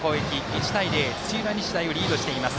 １対０土浦日大をリードしています。